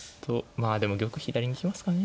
まあでも玉左に行きますかね。